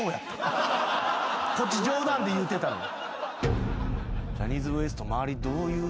こっち冗談で言うてたのに。